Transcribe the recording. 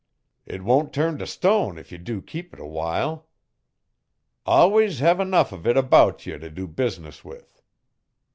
It won't turn t' stun if ye do keep it awhile. Allwus hev enough of it about ye t' do business with.